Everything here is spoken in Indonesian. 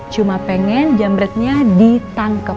cuma pengen jamretnya ditangkep